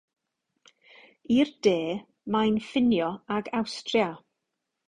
I'r de, mae'n ffinio ag Awstria.